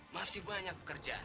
masih banyak pekerjaan